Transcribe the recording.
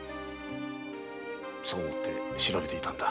そう思って調べていたのだ。